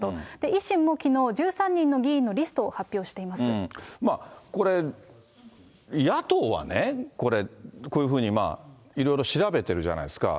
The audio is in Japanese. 維新もきのう、１３人の議員のリこれ、野党はね、こういうふうにいろいろ調べてるじゃないですか。